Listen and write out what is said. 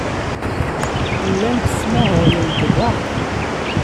Llant ttmahalent da.